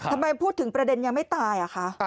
ทำไมพูดถึงประเด็นยังไม่ตายอะคะ